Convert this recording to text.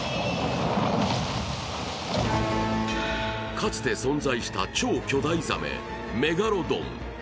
かつて存在した超巨大ザメ・メガロドン。